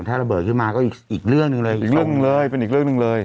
ถ้าระเบิดขึ้นมาก็อีกเรื่องหนึ่งเลยอีกเรื่องหนึ่งเลยเป็นอีกเรื่องหนึ่งเลย